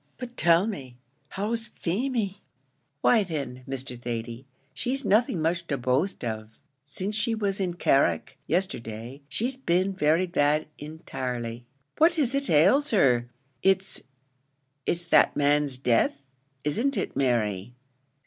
But tell me; how's Feemy?" "Why, thin, Mr. Thady, she's nothing much to boast of; since she was in Carrick, yesterday, she's been very bad intirely." "What is it ails her? It's it's that man's death, isn't it, Mary?"